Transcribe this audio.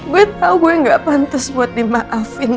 gue tau gue gak pantas buat dimaafin